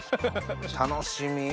楽しみ。